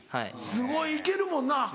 すごい行けるもんな。